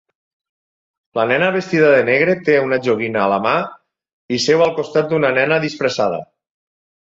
La nena vestida de negre té una joguina a la mà i seu al costat d'una nena disfressada.